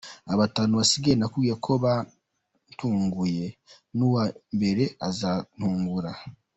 Aba batanu basigaye nakubwiye ko bantunguye, n’uwa mbere azantungura.